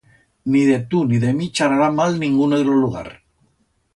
Ni de tu, ni de mi, charrará mal ninguno de lo lugar.